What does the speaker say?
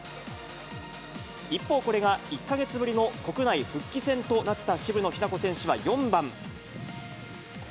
一方、これが１か月ぶりの国内復帰戦となった渋野日向子選手は４番。